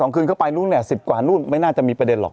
คืนเข้าไปนู่นเนี่ย๑๐กว่านู่นไม่น่าจะมีประเด็นหรอก